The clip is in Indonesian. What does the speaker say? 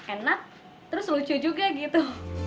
enak terus lucu juga gitu